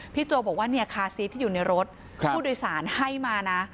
พี่โจบอกว่าคาร์ซีทที่อยู่ในรถผู้โดยสารให้มาค่ะ